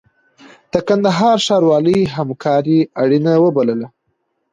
د کندهار ښاروالۍ همکاري اړینه وبلله.